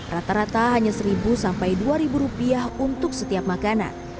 rata rata hanya seribu sampai dua ribu rupiah untuk setiap makanan